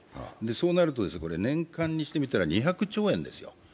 そうなると、年間にしてみたら２００兆円ですよ。